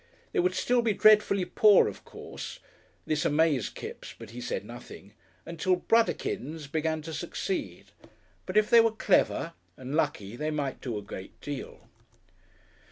They would still be dreadfully poor, of course this amazed Kipps, but he said nothing until "Brudderkins" began to succeed, but if they were clever and lucky they might do a great deal.